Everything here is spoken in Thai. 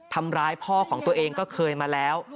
ทำร้ายพ่อของตัวเองก็เคยมาแล้ว